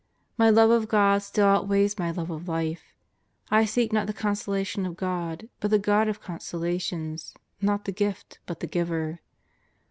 ... My love of God still outweighs my love of life. I seek not the consolation of God, but the God of consolations; not the gift but the Giver.